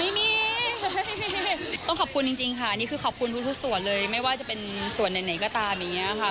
ไม่มีต้องขอบคุณจริงค่ะนี่คือขอบคุณทุกส่วนเลยไม่ว่าจะเป็นส่วนไหนก็ตามอย่างนี้ค่ะ